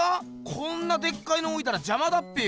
こんなでっかいのおいたらじゃまだっぺよ。